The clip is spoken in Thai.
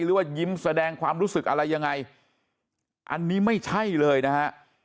หรือว่ายิ้มแสดงความรู้สึกอะไรยังไงอันนี้ไม่ใช่เลยนะฮะ